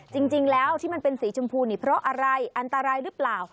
จริงแล้วที่มันเป็นสีชมพูนี่เพราะอะไรอันตรายหรือเปล่า